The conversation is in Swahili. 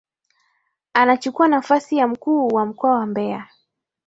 Anachukua nafasi ya Mkuu wa mkoa wa Mbeya